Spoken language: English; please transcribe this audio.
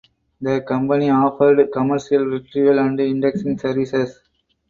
The company offered commercial retrieval and indexing services.